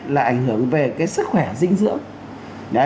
là ảnh hưởng về cái sức khỏe dinh dưỡng